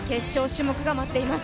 種目が待っています。